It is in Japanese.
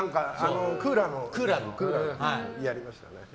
クーラーのやりました。